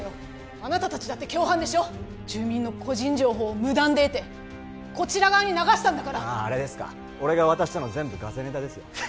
あなた達だって共犯でしょ住民の個人情報を無断で得てこちら側に流したんだからあああれですか俺が渡したの全部ガセネタですよ